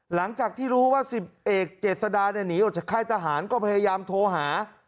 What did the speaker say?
หลังจากที่รู้ว่า๑๐เอกเจษดาหนีออกจากค่ายทหารก็พยายามโทรหา